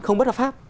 không bất hợp pháp